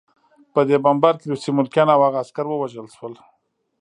په دې بمبار کې روسي ملکیان او هغه عسکر ووژل شول